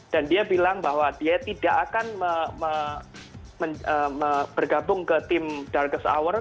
dan dia bilang bahwa dia tidak akan bergabung ke tim darkest hour